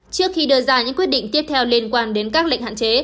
trước khi đưa ra những quyết định tiếp theo liên quan đến các lệnh hạn chế